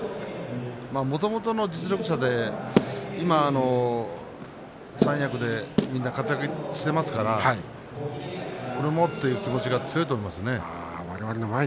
もともと実力者で今、三役でみんな活躍していますから俺もという気持ちが強いと思いますね。